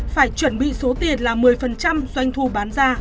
phải chuẩn bị số tiền là một mươi doanh thu bán ra